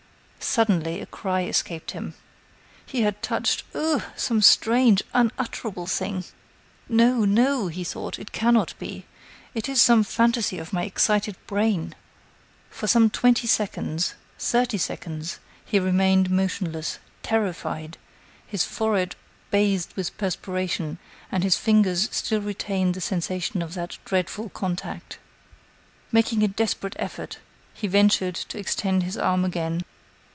Suddenly a cry escaped him. He had touched oh! some strange, unutterable thing! "No! no!" he thought, "it cannot be. It is some fantasy of my excited brain." For twenty seconds, thirty seconds, he remained motionless, terrified, his forehead bathed with perspiration, and his fingers still retained the sensation of that dreadful contact. Making a desperate effort, he ventured to extend his arm again.